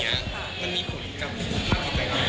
มันมีผลกับ